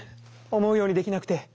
思うようにできなくて。